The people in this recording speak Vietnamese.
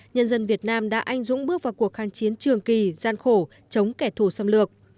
nhân dân việt nam đã anh dũng bước vào cuộc kháng chiến trường kỳ gian khổ chống kẻ thù xâm lược